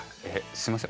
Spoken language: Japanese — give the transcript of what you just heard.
すいません。